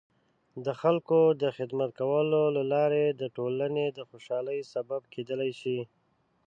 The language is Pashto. د خلکو د خدمت کولو له لارې د ټولنې د خوشحالۍ سبب کیدلای شي.